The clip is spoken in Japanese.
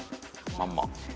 まんま？